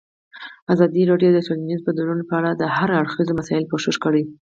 ازادي راډیو د ټولنیز بدلون په اړه د هر اړخیزو مسایلو پوښښ کړی.